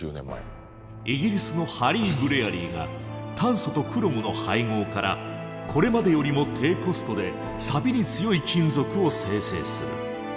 イギリスのハリー・ブレアリーが炭素とクロムの配合からこれまでよりも低コストでサビに強い金属を生成する。